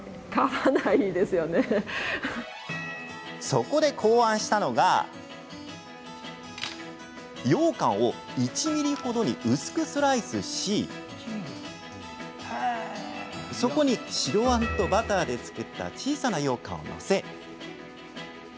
そこで考案したのがようかんを１ｍｍほどに薄くスライスしそこに白あんとバターで作った小さなようかんを載せ